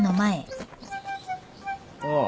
ああ。